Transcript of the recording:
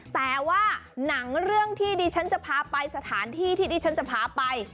แต่ว่าหนังเรื่องที่ดิฉันจะพาไปสถานที่ที่ดิฉันจะพาไป